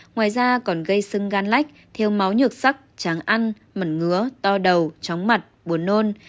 ngoài ra còn gây sưng gan lách thiêu máu nhược sắc tráng ăn mẩn ngứa to đầu chóng mặt buồn nôn